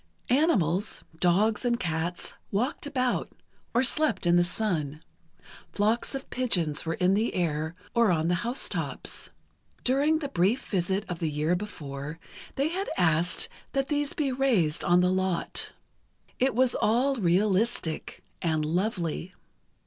Animals—dogs and cats—walked about, or slept in the sun. Flocks of pigeons were in the air, or on the house tops. During the brief visit of the year before, they had asked that these be raised on the lot. It was all realistic, and lovely.